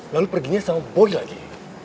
lalu perginya sama boy lagi